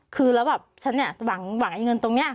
คือแล้วแบบฉันเนี่ยหวังไอ้เงินตรงนี้